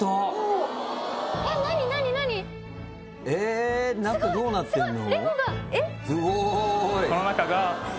えっ・え中どうなってんの？